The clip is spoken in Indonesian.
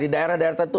di daerah daerah tentu